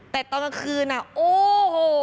แต่ตอนกลางคืนอ่ะโอ้โห